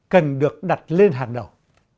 cần được đặt lên hàng đầu